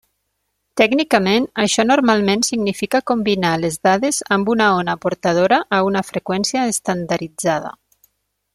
Tècnicament, això normalment significa combinar les dades amb una ona portadora a una freqüència estandarditzada.